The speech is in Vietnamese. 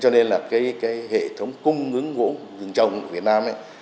cho nên là cái hệ thống cung ứng gỗ rừng trồng ở việt nam